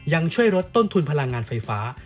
ยังช่วยลดต้นทุนพลังงานไฟฟ้า